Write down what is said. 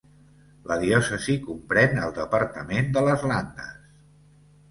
La diòcesi comprèn el departament de les Landes.